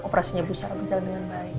operasinya bisa berjalan dengan baik